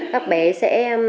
các bé sẽ